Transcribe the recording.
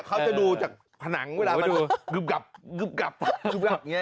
เขาจะดูจากผนังเวลามาดูกึบอย่างนี้